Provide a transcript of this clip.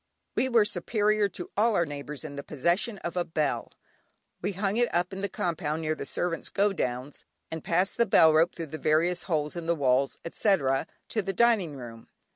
We were superior to all our neighbours in the possession of a bell. We hung it up in the compound near the servants' "go downs," and passed the bell rope through various holes in the walls, etc., to the dining room.